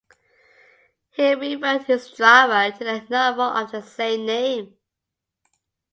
He re-wrote his drama to the novel of the same name.